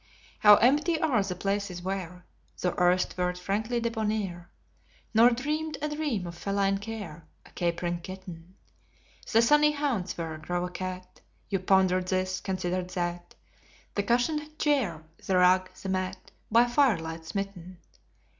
How empty are the places where Thou erst wert frankly debonair, Nor dreamed a dream of feline care, A capering kitten. The sunny haunts where, grown a cat, You pondered this, considered that, The cushioned chair, the rug, the mat, By firelight smitten.